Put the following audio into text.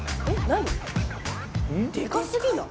でか過ぎない？